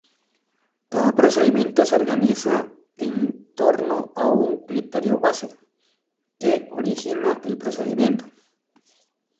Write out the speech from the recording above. Cada procedimiento se organiza en torno a un "criterio-base" que origina el procedimiento.